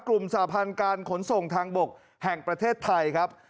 สาพันธ์การขนส่งทางบกแห่งประเทศไทยครับ